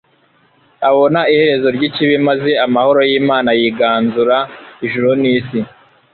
Abona iherezo ry'ikibi, maze amahoro y'Imana yiganzura ijuru n'isi.